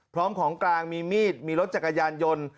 พร้อมของกลางมีมีดมีรถจักรยานยนต์